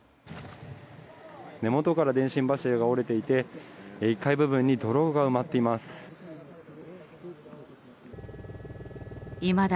根元から電信柱が折れていて１階部分に泥が埋まっています。